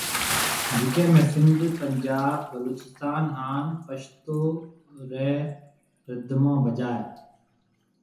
جڪي ۾ سنڌ، پنجاب، بلوچستون، ھان پشتو ري رڌمون بجائي